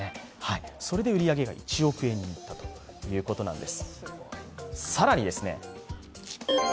それで売り上げが１億円になったということなんです。